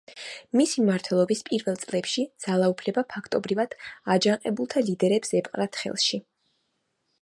მისი მმართველობის პირველ წლებში ძალაუფლება ფაქტობრივად აჯანყებულთა ლიდერებს ეპყრათ ხელთ.